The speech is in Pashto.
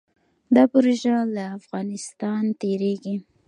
دا پروژه له افغانستان تیریږي